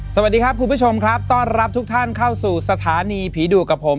สวัสดีครับคุณผู้ชมครับต้อนรับทุกท่านเข้าสู่สถานีผีดุกับผม